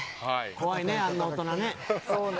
怖いね、あんな大人ね。